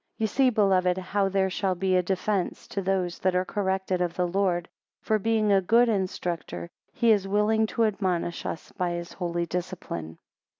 14 Ye see, beloved, how there shall be a defence to those that are corrected of the Lord. For being a good instructor, he is willing to admonish us by his holy discipline.